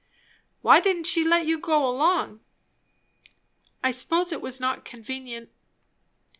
"Why didn't she let you go along?" "I suppose it was not convenient."